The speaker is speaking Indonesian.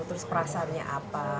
terus perasaannya apa